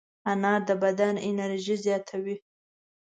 انار د بدن انرژي زیاتوي.